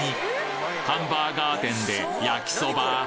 ハンバーガー店で焼きそば？